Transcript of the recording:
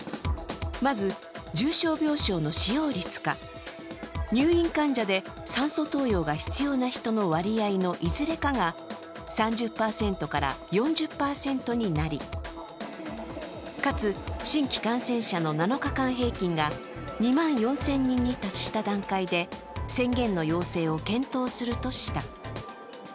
まず、重症病床の使用率か、入院患者で酸素投与が必要な人の割合のいずれかが３０％から４０％になり、かつ新規感染者の７日間平均が２万４０００人に達した段階で宣言の要請を検討するとした。